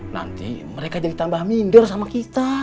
nanti mereka jadi tambah minder sama kita